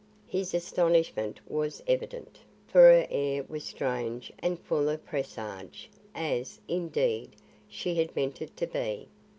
His astonishment was evident, for her air was strange and full of presage, as, indeed, she had meant it to be.